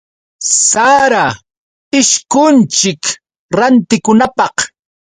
Sara ishkunchik rantikunapaq.